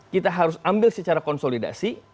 kita harus ambil secara konsolidasi